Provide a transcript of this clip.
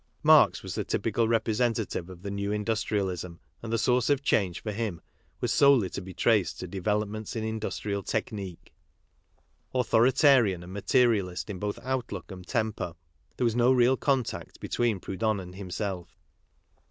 Marx was the typical representative of the new industrialism, and the source jof change for him was solely to be traced to develop ;ments in industrial technique. Authoritarian and !materialist in both outlook and temper;, there was no real contact between Proudhon and himself.